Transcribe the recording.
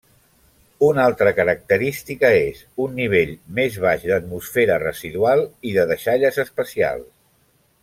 Una altra característica és un nivell més baix d'atmosfera residual i de deixalles espacials.